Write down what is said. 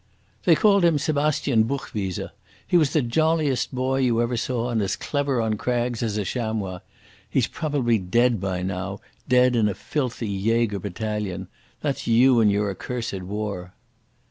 "They called him Sebastian Buchwieser. He was the jolliest boy you ever saw, and as clever on crags as a chamois. He is probably dead by now, dead in a filthy jaeger battalion. That's you and your accursed war."